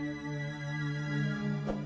aku sudah berjalan